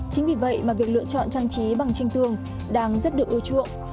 chính vì vậy mà việc lựa chọn trang trí bằng tranh tường đang rất được ưa chuộng